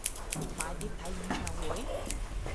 買碟睇演唱會？